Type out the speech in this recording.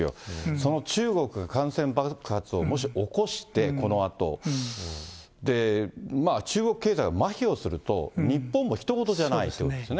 その中国が感染爆発をもし起こして、このあと中国経済がまひをすると、日本もひと事じゃないということですね。